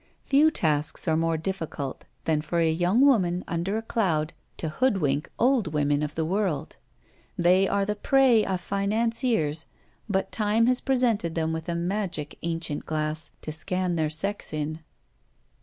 Few tasks are more difficult than for a young woman under a cloud to hoodwink old women of the world. They are the prey of financiers, but Time has presented them a magic ancient glass to scan their sex in.